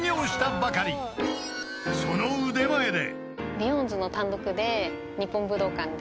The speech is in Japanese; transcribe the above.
［その腕前で］